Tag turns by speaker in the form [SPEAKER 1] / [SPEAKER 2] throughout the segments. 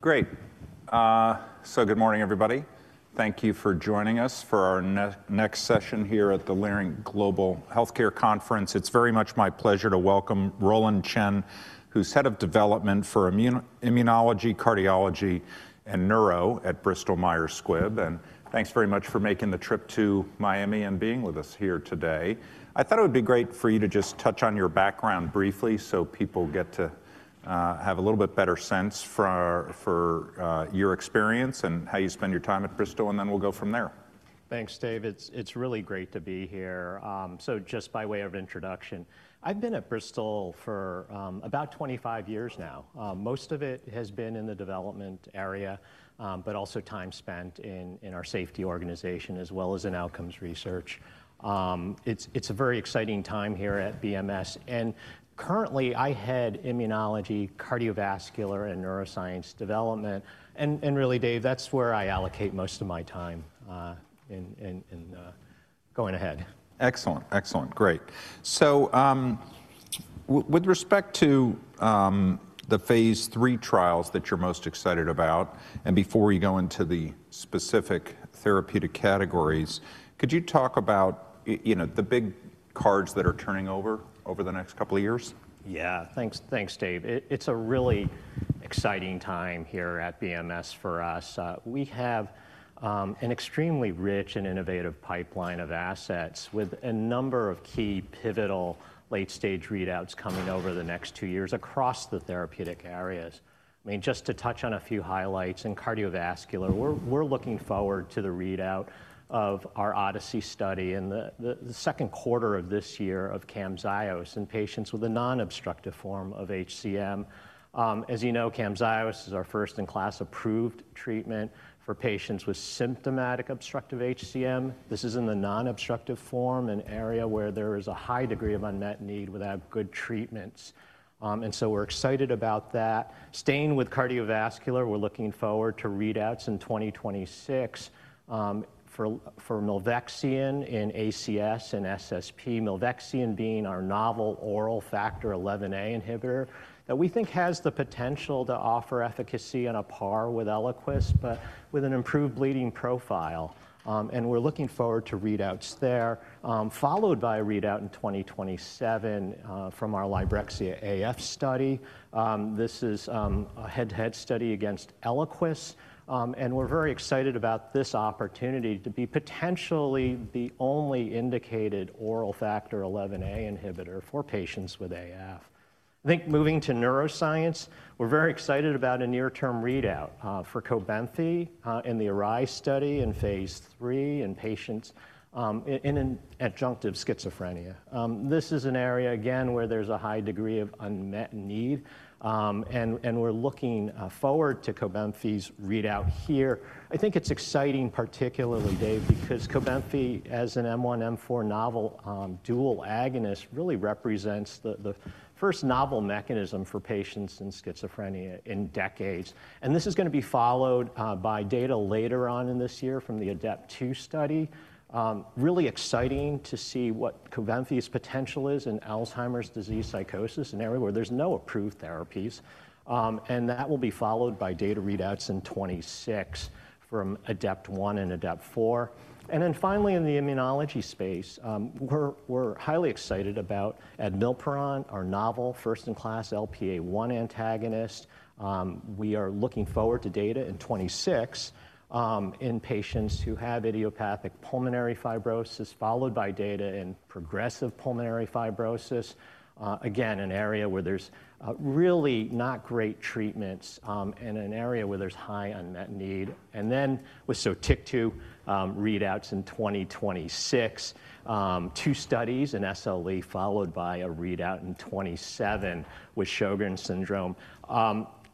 [SPEAKER 1] Great. Good morning, everybody. Thank you for joining us for our next session here at the Leerink Global Healthcare Conference. It's very much my pleasure to welcome Roland Chen, who's head of development for immunology, cardiology, and neuro at Bristol Myers Squibb. Thanks very much for making the trip to Miami and being with us here today. I thought it would be great for you to just touch on your background briefly so people get to have a little bit better sense for your experience and how you spend your time at Bristol, and then we'll go from there.
[SPEAKER 2] Thanks, Dave. It's really great to be here. Just by way of introduction, I've been at Bristol Myers Squibb for about 25 years now. Most of it has been in the development area, but also time spent in our safety organization, as well as in outcomes research. It's a very exciting time here at BMS. Currently, I head immunology, cardiovascular, and neuroscience development. Really, Dave, that's where I allocate most of my time in going ahead.
[SPEAKER 1] Excellent. Excellent. Great. With respect to the Phase 3 trials that you're most excited about, and before we go into the specific therapeutic categories, could you talk about the big cards that are turning over over the next couple of years?
[SPEAKER 2] Yeah. Thanks, Dave. It's a really exciting time here at BMS for us. We have an extremely rich and innovative pipeline of assets with a number of key pivotal late-stage readouts coming over the next two years across the therapeutic areas. I mean, just to touch on a few highlights in cardiovascular, we're looking forward to the readout of our Odyssey study in the second quarter of this year of CAMZYOS in patients with a non-obstructive form of HCM. As you know, CAMZYOS is our first-in-class approved treatment for patients with symptomatic obstructive HCM. This is in the non-obstructive form, an area where there is a high degree of unmet need without good treatments. We are excited about that. Staying with cardiovascular, we're looking forward to readouts in 2026 for Milvexian in ACS and SSP, Milvexian being our novel oral Factor XIa inhibitor that we think has the potential to offer efficacy on a par with Eliquis, but with an improved bleeding profile. We're looking forward to readouts there, followed by a readout in 2027 from our LIBREXIA AF study. This is a head-to-head study against Eliquis. We're very excited about this opportunity to be potentially the only indicated oral Factor XIa inhibitor for patients with AF. I think moving to neuroscience, we're very excited about a near-term readout for Cobenfy in the ARISE study in Phase 3 in patients in adjunctive schizophrenia. This is an area, again, where there's a high degree of unmet need. We're looking forward to Cobenfy readout here. I think it's exciting, particularly, Dave, because Cobenfy, as an M1, M4 novel dual agonist, really represents the first novel mechanism for patients in schizophrenia in decades. This is going to be followed by data later on in this year from the ADEPT-2 study. Really exciting to see what Cobenfy's potential is in Alzheimer's disease psychosis, an area where there's no approved therapies. That will be followed by data readouts in 2026 from ADEPT-1 and ADEPT-4. Finally, in the immunology space, we're highly excited about Admilparant, our novel first-in-class LPA1 antagonist. We are looking forward to data in 2026 in patients who have idiopathic pulmonary fibrosis, followed by data in progressive pulmonary fibrosis. Again, an area where there's really not great treatments and an area where there's high unmet need. With Sotyktu readouts in 2026, two studies in SLE followed by a readout in 2027 with Sjögren's syndrome.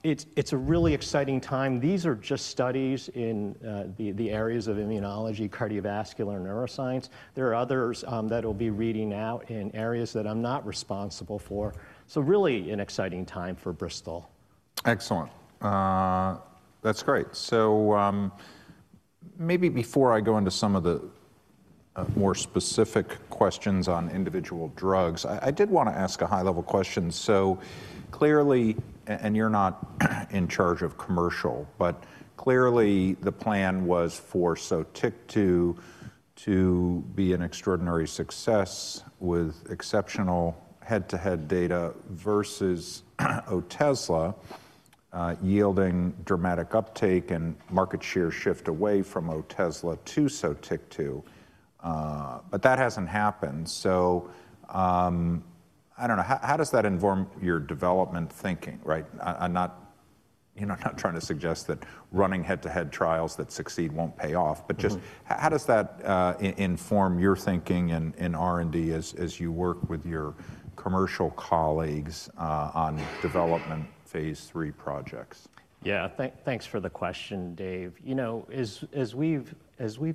[SPEAKER 2] It's a really exciting time. These are just studies in the areas of immunology, cardiovascular, and neuroscience. There are others that will be reading out in areas that I'm not responsible for. Really an exciting time for Bristol Myers Squibb.
[SPEAKER 1] Excellent. That's great. Maybe before I go into some of the more specific questions on individual drugs, I did want to ask a high-level question. Clearly, and you're not in charge of commercial, but clearly the plan was for Sotyktu to be an extraordinary success with exceptional head-to-head data versus Otezla yielding dramatic uptake and market share shift away from Otezla to Sotyktu, but that hasn't happened. I don't know, how does that inform your development thinking, right? I'm not trying to suggest that running head-to-head trials that succeed won't pay off, just how does that inform your thinking and R&D as you work with your commercial colleagues on development Phase 3 projects?
[SPEAKER 2] Yeah. Thanks for the question, Dave. You know, as we've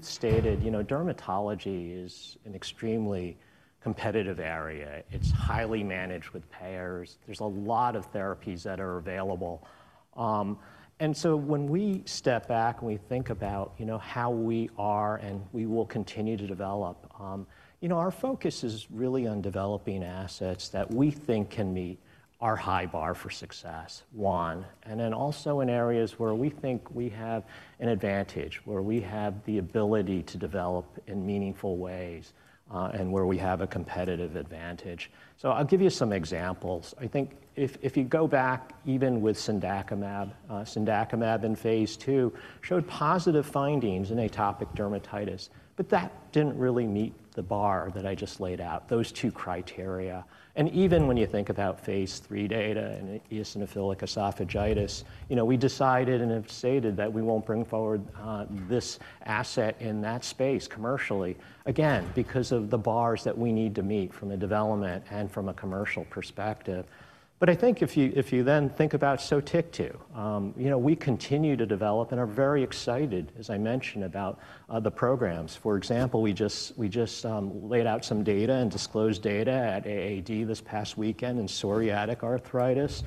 [SPEAKER 2] stated, you know, dermatology is an extremely competitive area. It's highly managed with payers. There's a lot of therapies that are available. When we step back and we think about how we are and we will continue to develop, you know, our focus is really on developing assets that we think can meet our high bar for success, one, and then also in areas where we think we have an advantage, where we have the ability to develop in meaningful ways and where we have a competitive advantage. I'll give you some examples. I think if you go back, even with cendakimab, cendakimab in phase II showed positive findings in atopic dermatitis, but that didn't really meet the bar that I just laid out, those two criteria. Even when you think about Phase 3 data and eosinophilic esophagitis, you know, we decided and have stated that we won't bring forward this asset in that space commercially, again, because of the bars that we need to meet from a development and from a commercial perspective. I think if you then think about Sotyktu, you know, we continue to develop and are very excited, as I mentioned, about the programs. For example, we just laid out some data and disclosed data at AAD this past weekend in psoriatic arthritis.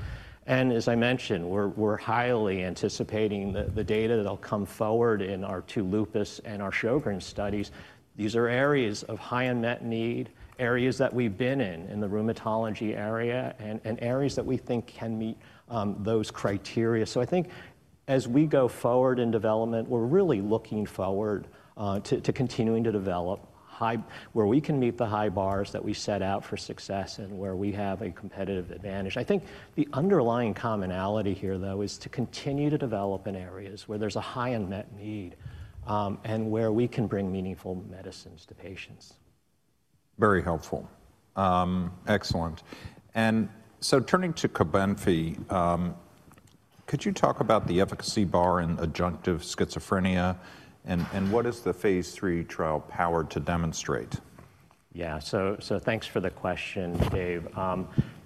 [SPEAKER 2] As I mentioned, we're highly anticipating the data that'll come forward in our two lupus and our Sjögren's studies. These are areas of high unmet need, areas that we've been in, in the rheumatology area, and areas that we think can meet those criteria. I think as we go forward in development, we're really looking forward to continuing to develop where we can meet the high bars that we set out for success and where we have a competitive advantage. I think the underlying commonality here, though, is to continue to develop in areas where there's a high unmet need and where we can bring meaningful medicines to patients.
[SPEAKER 1] Very helpful. Excellent. Turning to Cobenfy, could you talk about the efficacy bar in adjunctive schizophrenia and what is the Phase 3 trial power to demonstrate?
[SPEAKER 2] Yeah. Thanks for the question, Dave.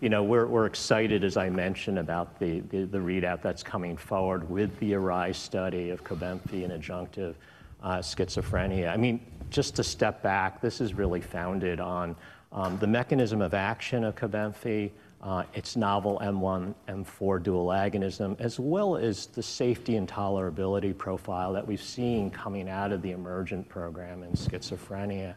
[SPEAKER 2] You know, we're excited, as I mentioned, about the readout that's coming forward with the ARISE study of Cobenfy in adjunctive schizophrenia. I mean, just to step back, this is really founded on the mechanism of action of Cobenfy, its novel M1, M4 dual agonism, as well as the safety and tolerability profile that we've seen coming out of the EMERGENT program in schizophrenia.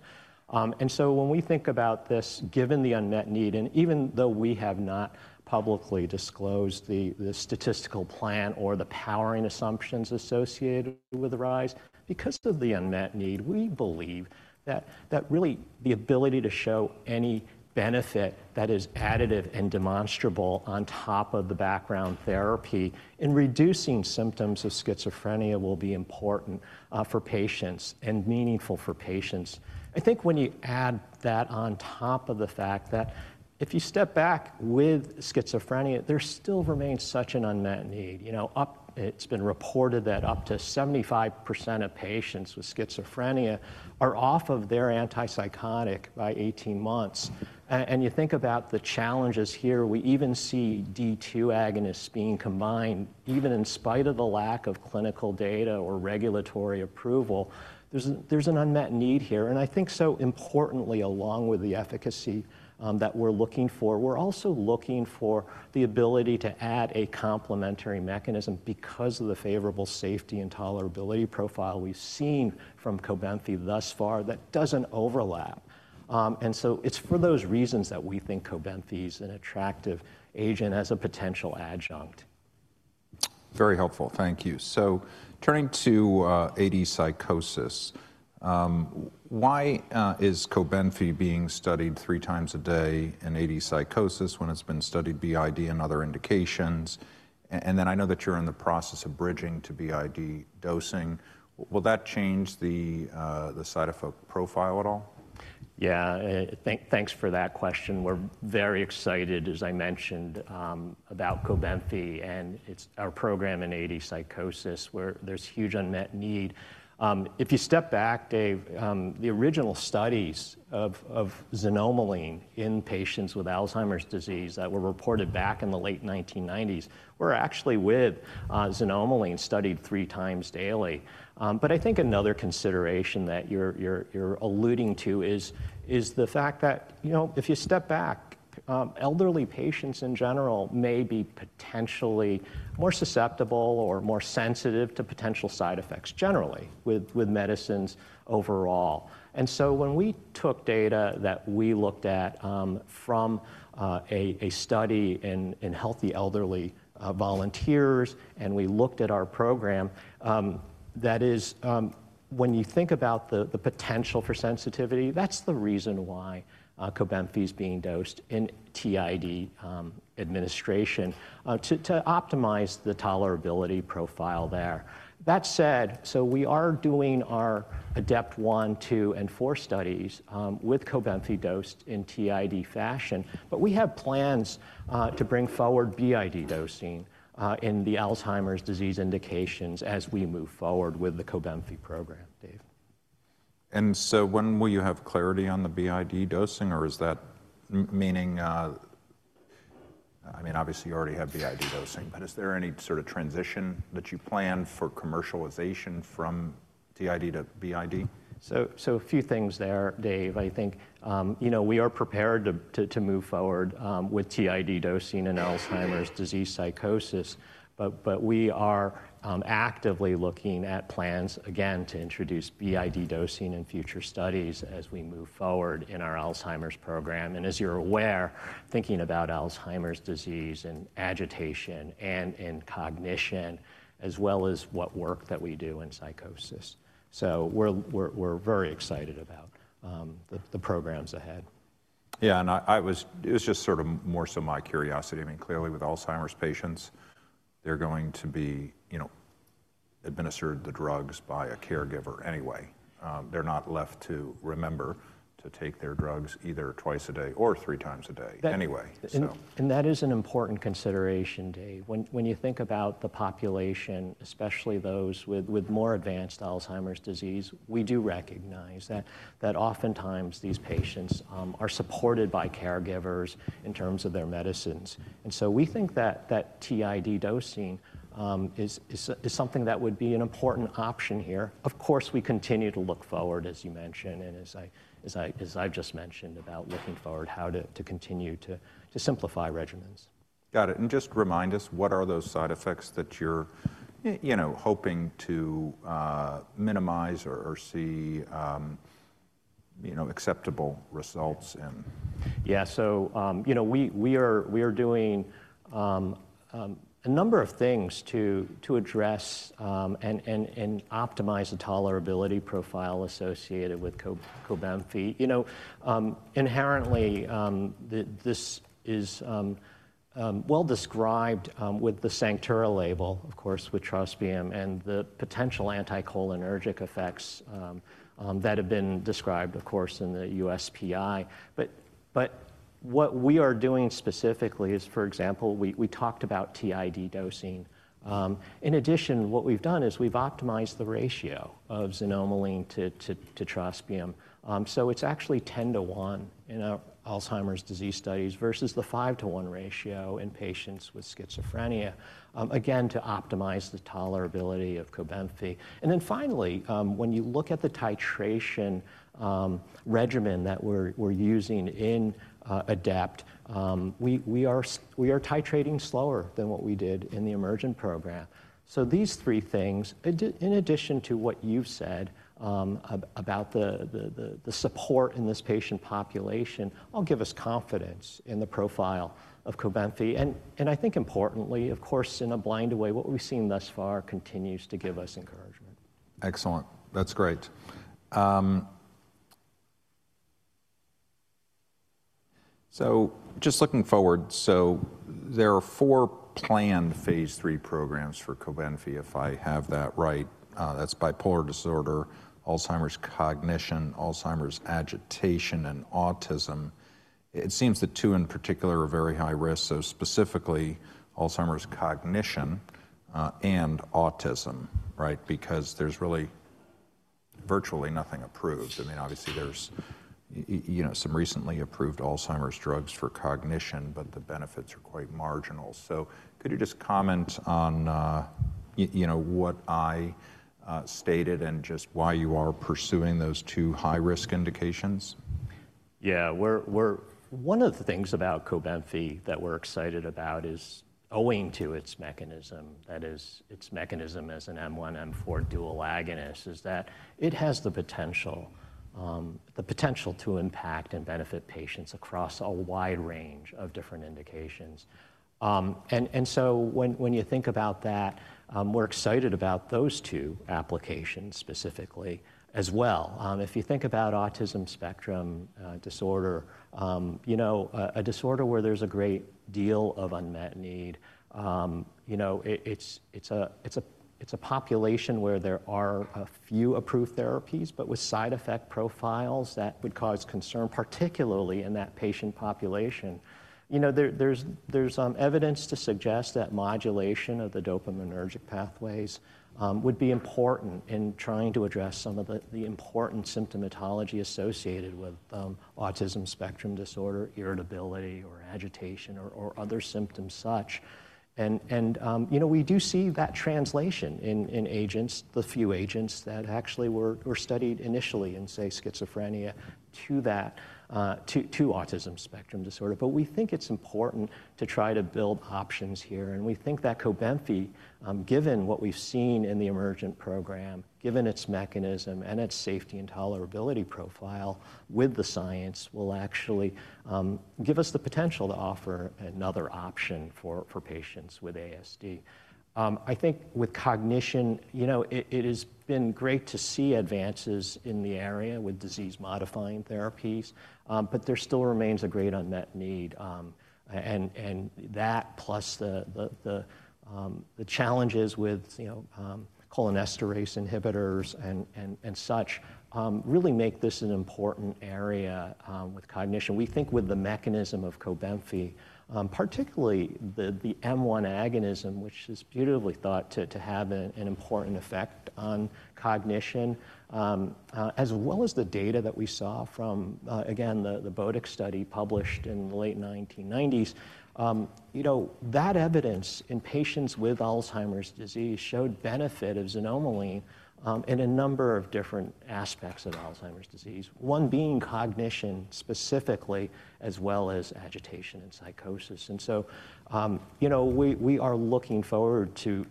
[SPEAKER 2] When we think about this, given the unmet need, and even though we have not publicly disclosed the statistical plan or the powering assumptions associated with ARISE, because of the unmet need, we believe that really the ability to show any benefit that is additive and demonstrable on top of the background therapy in reducing symptoms of schizophrenia will be important for patients and meaningful for patients. I think when you add that on top of the fact that if you step back with schizophrenia, there still remains such an unmet need. You know, it's been reported that up to 75% of patients with schizophrenia are off of their antipsychotic by 18 months. You think about the challenges here, we even see D2 agonists being combined, even in spite of the lack of clinical data or regulatory approval. There's an unmet need here. I think so importantly, along with the efficacy that we're looking for, we're also looking for the ability to add a complementary mechanism because of the favorable safety and tolerability profile we've seen from Cobenfy thus far that doesn't overlap. It is for those reasons that we think Cobenfy is an attractive agent as a potential adjunct.
[SPEAKER 1] Very helpful. Thank you. Turning to AD psychosis, why is Cobenfy being studied three times a day in AD psychosis when it's been studied BID in other indications? I know that you're in the process of bridging to BID dosing. Will that change the cytophobic profile at all?
[SPEAKER 2] Yeah. Thanks for that question. We're very excited, as I mentioned, about Cobenfy and our program in AD psychosis where there's huge unmet need. If you step back, Dave, the original studies of xanomeline in patients with Alzheimer's disease that were reported back in the late 1990s were actually with xanomeline studied three times daily. I think another consideration that you're alluding to is the fact that, you know, if you step back, elderly patients in general may be potentially more susceptible or more sensitive to potential side effects generally with medicines overall. When we took data that we looked at from a study in healthy elderly volunteers and we looked at our program, that is, when you think about the potential for sensitivity, that's the reason why Cobenfy is being dosed in TID administration to optimize the tolerability profile there. That said, we are doing our ADEPT-1, 2, and 4 studies with Cobenfy dosed in TID fashion, but we have plans to bring forward BID dosing in the Alzheimer's disease indications as we move forward with the Cobenfy program, Dave.
[SPEAKER 1] When will you have clarity on the BID dosing or is that meaning, I mean, obviously you already have BID dosing, but is there any sort of transition that you plan for commercialization from TID to BID?
[SPEAKER 2] A few things there, Dave. I think, you know, we are prepared to move forward with TID dosing in Alzheimer's disease psychosis, but we are actively looking at plans, again, to introduce BID dosing in future studies as we move forward in our Alzheimer's program. As you're aware, thinking about Alzheimer's disease and agitation and in cognition, as well as what work that we do in psychosis. We are very excited about the programs ahead.
[SPEAKER 1] Yeah. It was just sort of more so my curiosity. I mean, clearly with Alzheimer's patients, they're going to be, you know, administered the drugs by a caregiver anyway. They're not left to remember to take their drugs either twice a day or three times a day anyway.
[SPEAKER 2] That is an important consideration, Dave. When you think about the population, especially those with more advanced Alzheimer's disease, we do recognize that oftentimes these patients are supported by caregivers in terms of their medicines. We think that TID dosing is something that would be an important option here. Of course, we continue to look forward, as you mentioned, and as I've just mentioned about looking forward how to continue to simplify regimens.
[SPEAKER 1] Got it. Just remind us, what are those side effects that you're, you know, hoping to minimize or see, you know, acceptable results in?
[SPEAKER 2] Yeah. So, you know, we are doing a number of things to address and optimize the tolerability profile associated with Cobenfy. You know, inherently, this is well described with the Sanctura label, of course, with trospium and the potential anticholinergic effects that have been described, of course, in the USPI. What we are doing specifically is, for example, we talked about TID dosing. In addition, what we've done is we've optimized the ratio of xanomeline to trospium. So, it's actually 10 to 1 in Alzheimer's disease studies versus the 5 to 1 ratio in patients with schizophrenia, again, to optimize the tolerability of Cobenfy. Finally, when you look at the titration regimen that we're using in ADEPT, we are titrating slower than what we did in the EMERGENT program. These three things, in addition to what you've said about the support in this patient population, all give us confidence in the profile of Cobenfy. I think importantly, of course, in a blind way, what we've seen thus far continues to give us encouragement.
[SPEAKER 1] Excellent. That's great. Just looking forward, there are four planned Phase 3 programs for Cobenfy, if I have that right. That's bipolar disorder, Alzheimer's cognition, Alzheimer's agitation, and autism. It seems the two in particular are very high risk, specifically Alzheimer's cognition and autism, right? Because there's really virtually nothing approved. I mean, obviously there's, you know, some recently approved Alzheimer's drugs for cognition, but the benefits are quite marginal. Could you just comment on what I stated and just why you are pursuing those two high-risk indications?
[SPEAKER 2] Yeah. One of the things about Cobenfy that we're excited about is owing to its mechanism, that is, its mechanism as an M1, M4 dual agonist, is that it has the potential to impact and benefit patients across a wide range of different indications. When you think about that, we're excited about those two applications specifically as well. If you think about autism spectrum disorder, you know, a disorder where there's a great deal of unmet need, you know, it's a population where there are a few approved therapies, but with side effect profiles that would cause concern, particularly in that patient population. You know, there's evidence to suggest that modulation of the dopaminergic pathways would be important in trying to address some of the important symptomatology associated with autism spectrum disorder, irritability or agitation or other symptoms such. You know, we do see that translation in agents, the few agents that actually were studied initially in, say, schizophrenia to autism spectrum disorder. We think it's important to try to build options here. We think that Cobenfy, given what we've seen in the emergent program, given its mechanism and its safety and tolerability profile with the science, will actually give us the potential to offer another option for patients with ASD. I think with cognition, you know, it has been great to see advances in the area with disease-modifying therapies, but there still remains a great unmet need. That, plus the challenges with, you know, cholinesterase inhibitors and such, really make this an important area with cognition. We think with the mechanism of Cobenfy, particularly the M1 agonism, which is beautifully thought to have an important effect on cognition, as well as the data that we saw from, again, the Bodick study published in the late 1990s, you know, that evidence in patients with Alzheimer's disease showed benefit of xanomeline in a number of different aspects of Alzheimer's disease, one being cognition specifically, as well as agitation and psychosis. You know, we are looking forward to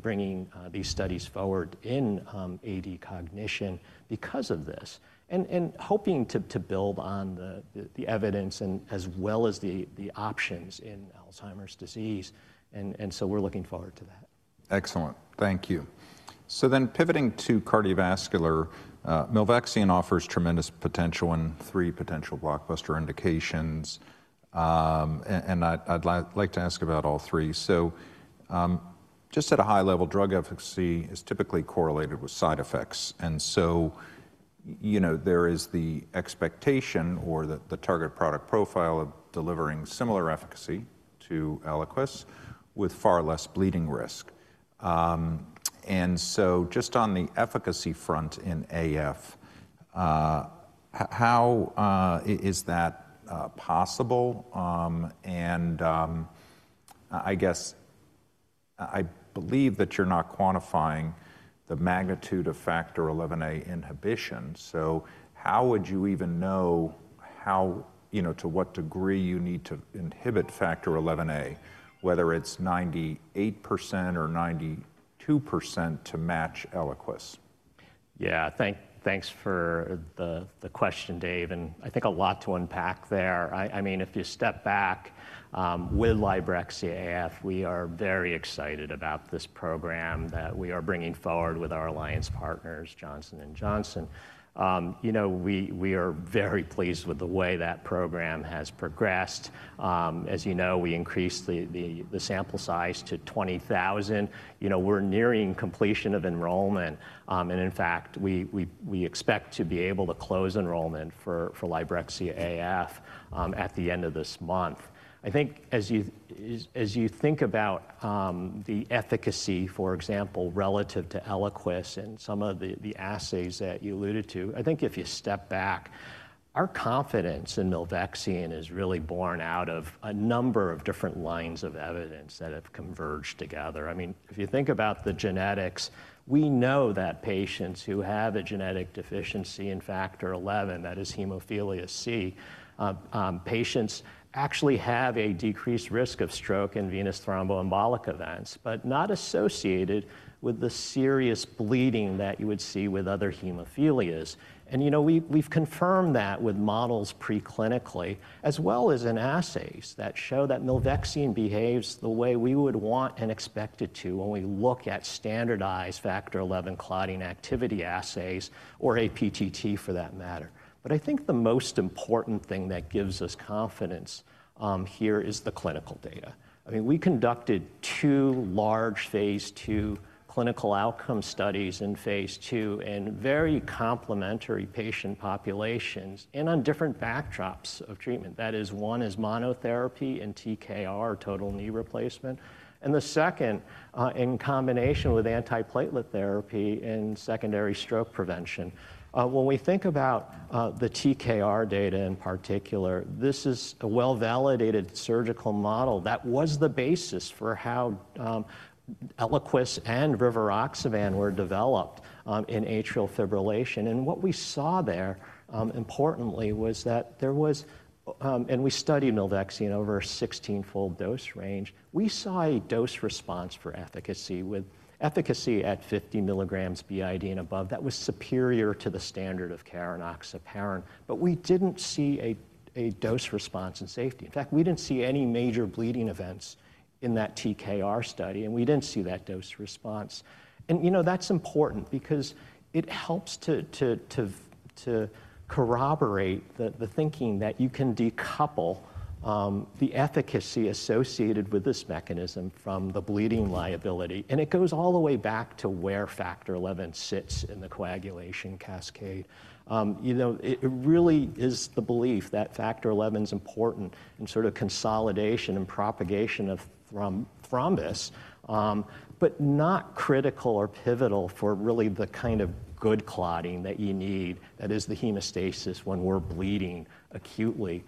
[SPEAKER 2] bringing these studies forward in AD cognition because of this and hoping to build on the evidence as well as the options in Alzheimer's disease. We are looking forward to that.
[SPEAKER 1] Excellent. Thank you. Pivoting to cardiovascular, Milvexian offers tremendous potential and three potential blockbuster indications. I'd like to ask about all three. At a high level, drug efficacy is typically correlated with side effects. You know, there is the expectation or the target product profile of delivering similar efficacy to Eliquis with far less bleeding risk. Just on the efficacy front in AF, how is that possible? I guess I believe that you're not quantifying the magnitude of Factor XIa inhibition. How would you even know how, you know, to what degree you need to inhibit Factor XIa, whether it's 98% or 92% to match Eliquis?
[SPEAKER 2] Yeah. Thanks for the question, Dave. I think a lot to unpack there. I mean, if you step back with LIBREXIA AF, we are very excited about this program that we are bringing forward with our alliance partners, Johnson & Johnson. You know, we are very pleased with the way that program has progressed. As you know, we increased the sample size to 20,000. You know, we're nearing completion of enrollment. In fact, we expect to be able to close enrollment for LIBREXIA AF at the end of this month. I think as you think about the efficacy, for example, relative to Eliquis and some of the assays that you alluded to, I think if you step back, our confidence in Milvexian is really born out of a number of different lines of evidence that have converged together. I mean, if you think about the genetics, we know that patients who have a genetic deficiency in factor 11, that is hemophilia C, patients actually have a decreased risk of stroke and venous thromboembolic events, but not associated with the serious bleeding that you would see with other hemophilias. You know, we've confirmed that with models preclinically, as well as in assays that show that Milvexian behaves the way we would want and expect it to when we look at standardized factor 11 clotting activity assays or APTT for that matter. I think the most important thing that gives us confidence here is the clinical data. I mean, we conducted two large phase II clinical outcome studies in phase II in very complementary patient populations and on different backdrops of treatment. That is, one is monotherapy and TKR, total knee replacement. The second, in combination with antiplatelet therapy and secondary stroke prevention. When we think about the TKR data in particular, this is a well-validated surgical model that was the basis for how Eliquis and Rivaroxaban were developed in atrial fibrillation. What we saw there, importantly, was that there was, and we studied Milvexian over a 16-fold dose range, we saw a dose response for efficacy with efficacy at 50 milligrams b.i.d. and above that was superior to the standard of care in enoxaparin. We did not see a dose response in safety. In fact, we did not see any major bleeding events in that TKR study, and we did not see that dose response. You know, that's important because it helps to corroborate the thinking that you can decouple the efficacy associated with this mechanism from the bleeding liability. It goes all the way back to where factor 11 sits in the coagulation cascade. You know, it really is the belief that factor 11 is important in sort of consolidation and propagation of thrombus, but not critical or pivotal for really the kind of good clotting that you need that is the hemostasis when we're bleeding acutely.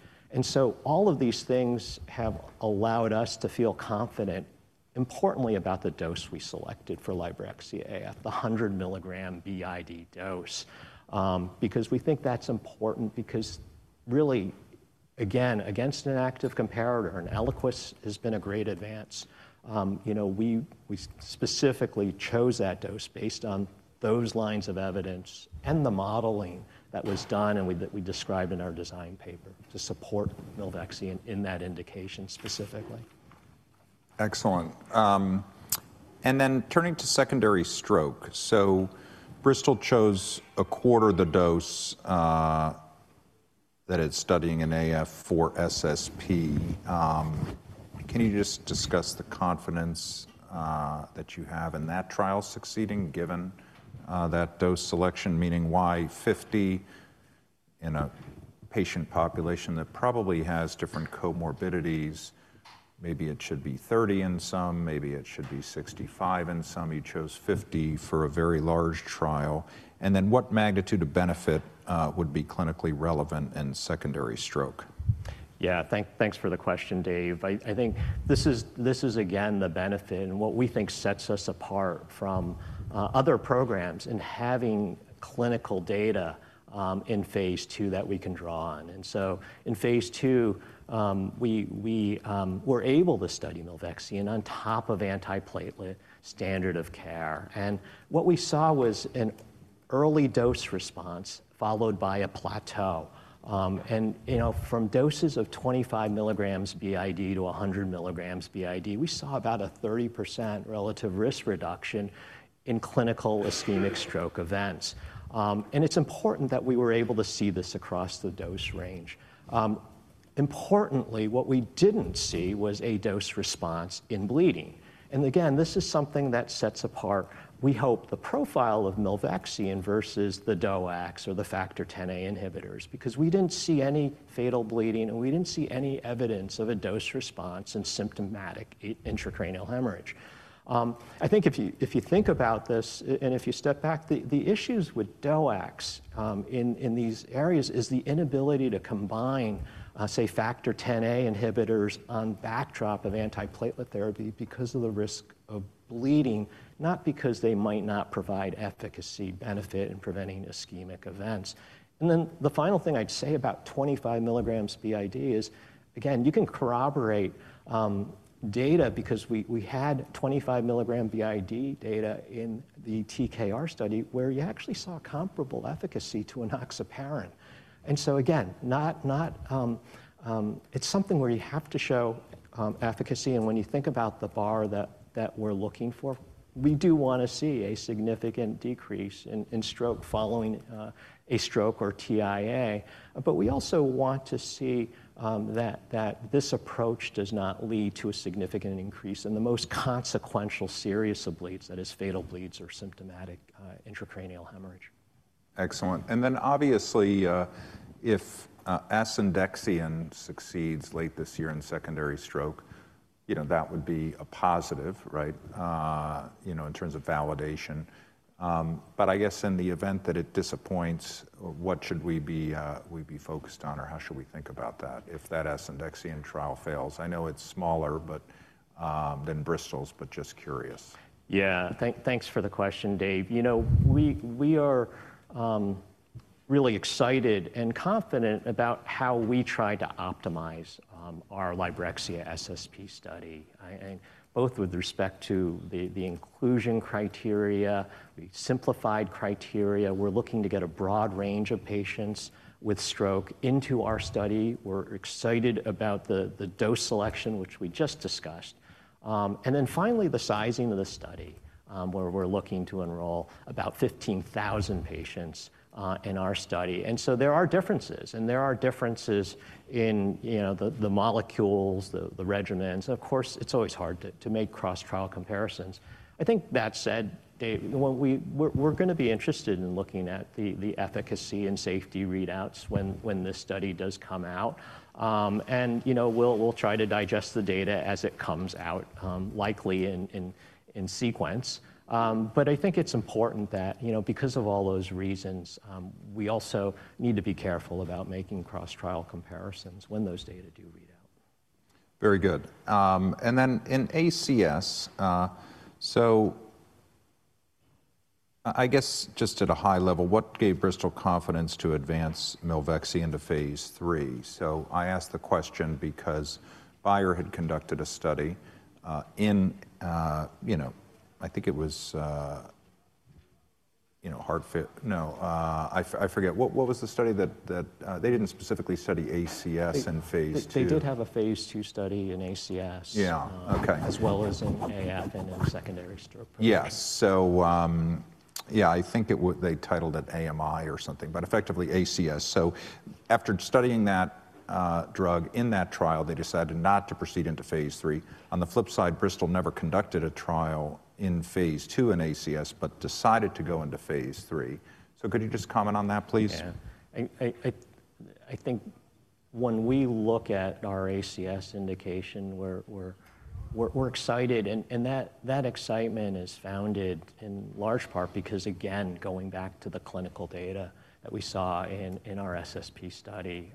[SPEAKER 2] All of these things have allowed us to feel confident, importantly, about the dose we selected for LIBREXIA AF, the 100 milligram b.i.d. dose, because we think that's important because really, again, against an active comparator, and Eliquis has been a great advance. You know, we specifically chose that dose based on those lines of evidence and the modeling that was done and that we described in our design paper to support Milvexian in that indication specifically.
[SPEAKER 1] Excellent. Turning to secondary stroke, Bristol chose a quarter of the dose that it is studying in AF for SSP. Can you just discuss the confidence that you have in that trial succeeding given that dose selection, meaning why 50 in a patient population that probably has different comorbidities? Maybe it should be 30 in some, maybe it should be 65 in some. You chose 50 for a very large trial. What magnitude of benefit would be clinically relevant in secondary stroke?
[SPEAKER 2] Yeah. Thanks for the question, Dave. I think this is, again, the benefit and what we think sets us apart from other programs in having clinical data in phase II that we can draw on. In phase II, we were able to study Milvexian on top of antiplatelet standard of care. What we saw was an early dose response followed by a plateau. You know, from doses of 25 milligrams b.i.d. to 100 milligrams b.i.d., we saw about a 30% relative risk reduction in clinical ischemic stroke events. It's important that we were able to see this across the dose range. Importantly, what we did not see was a dose response in bleeding. This is something that sets apart, we hope, the profile of Milvexian versus the DOACs or the Factor XIa inhibitors, because we did not see any fatal bleeding and we did not see any evidence of a dose response in symptomatic intracranial hemorrhage. I think if you think about this and if you step back, the issues with DOACs in these areas is the inability to combine, say, Factor XIa inhibitors on backdrop of antiplatelet therapy because of the risk of bleeding, not because they might not provide efficacy benefit in preventing ischemic events. The final thing I would say about 25 milligrams b.i.d. is, again, you can corroborate data because we had 25 milligram b.i.d. data in the TKR study where you actually saw comparable efficacy to enoxaparin. It is something where you have to show efficacy. When you think about the bar that we're looking for, we do want to see a significant decrease in stroke following a stroke or TIA. We also want to see that this approach does not lead to a significant increase in the most consequential serious of bleeds, that is, fatal bleeds or symptomatic intracranial hemorrhage.
[SPEAKER 1] Excellent. Obviously, if asundexian succeeds late this year in secondary stroke, you know, that would be a positive, right, you know, in terms of validation. I guess in the event that it disappoints, what should we be focused on or how should we think about that if that asundexian trial fails? I know it is smaller than Bristol's, but just curious.
[SPEAKER 2] Yeah. Thanks for the question, Dave. You know, we are really excited and confident about how we try to optimize our Librexia SSP study, both with respect to the inclusion criteria, the simplified criteria. We're looking to get a broad range of patients with stroke into our study. We're excited about the dose selection, which we just discussed. Finally, the sizing of the study where we're looking to enroll about 15,000 patients in our study. There are differences. There are differences in, you know, the molecules, the regimens. Of course, it's always hard to make cross-trial comparisons. I think that said, Dave, we're going to be interested in looking at the efficacy and safety readouts when this study does come out. You know, we'll try to digest the data as it comes out, likely in sequence. I think it's important that, you know, because of all those reasons, we also need to be careful about making cross-trial comparisons when those data do read out.
[SPEAKER 1] Very good. In ACS, I guess just at a high level, what gave Bristol Myers Squibb confidence to advance Milvexian to Phase 3? I ask the question because Bayer had conducted a study in, you know, I think it was, you know, heart failure. No, I forget. What was the study that they did not specifically study ACS in phase II?
[SPEAKER 2] They did have a phase II study in ACS, as well as in AF and in secondary stroke programs.
[SPEAKER 1] Yes. Yeah, I think they titled it AMI or something, but effectively ACS. After studying that drug in that trial, they decided not to proceed into Phase 3. On the flip side, Bristol never conducted a trial in phase II in ACS, but decided to go into Phase 3. Could you just comment on that, please?
[SPEAKER 2] Yeah. I think when we look at our ACS indication, we're excited. That excitement is founded in large part because, again, going back to the clinical data that we saw in our SSP study,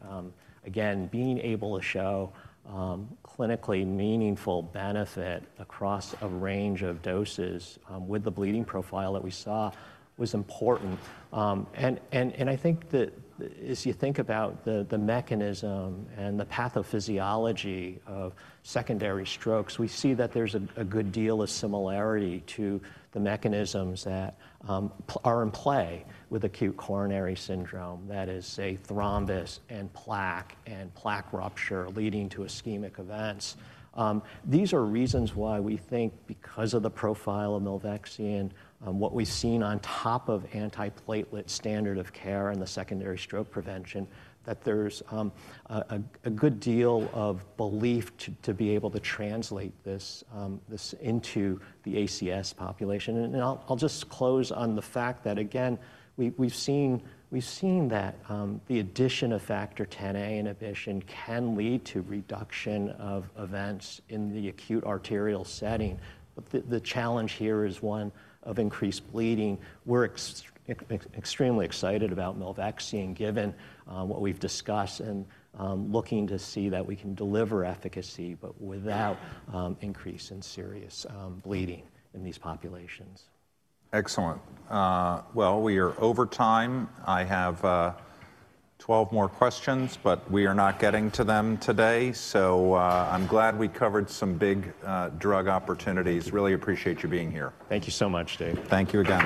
[SPEAKER 2] again, being able to show clinically meaningful benefit across a range of doses with the bleeding profile that we saw was important. I think that as you think about the mechanism and the pathophysiology of secondary strokes, we see that there's a good deal of similarity to the mechanisms that are in play with acute coronary syndrome, that is, say, thrombus and plaque and plaque rupture leading to ischemic events. These are reasons why we think because of the profile of Milvexian, what we've seen on top of antiplatelet standard of care and the secondary stroke prevention, that there's a good deal of belief to be able to translate this into the ACS population. I'll just close on the fact that, again, we've seen that the addition of Factor XIa inhibition can lead to reduction of events in the acute arterial setting. The challenge here is one of increased bleeding. We're extremely excited about Milvexian given what we've discussed and looking to see that we can deliver efficacy, but without increase in serious bleeding in these populations.
[SPEAKER 1] Excellent. We are over time. I have 12 more questions, but we are not getting to them today. I am glad we covered some big drug opportunities. Really appreciate you being here.
[SPEAKER 2] Thank you so much, Dave.
[SPEAKER 1] Thank you again.